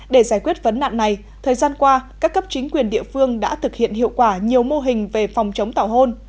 để giải quyết vấn nạn này thời gian qua các cấp chính quyền địa phương đã thực hiện hiệu quả nhiều mô hình về phòng chống tảo hôn